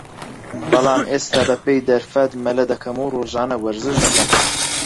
بەڵام ئێستا بە پێی دەرفەت مەلە دەکەم و رۆژانە وەرزش دەکەم